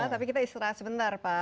tapi kita istirahat sebentar pak